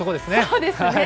そうですね。